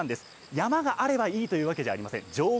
山があればいいというわけじゃありません。